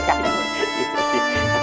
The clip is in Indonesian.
iya kalau emang boleh mak